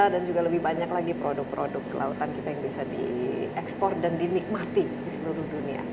dan juga lebih banyak lagi produk produk kelautan kita yang bisa diekspor dan dinikmati di seluruh negara